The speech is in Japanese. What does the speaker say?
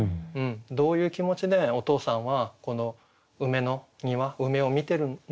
どういう気持ちでお父さんはこの梅の庭梅を観てるのかなと。